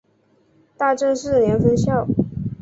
大正四年分校。